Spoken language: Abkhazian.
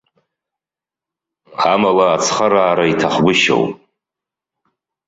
Амала, ацхыраара иҭахгәышьоуп.